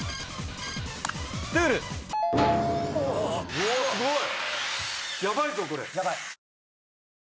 うわっすごい。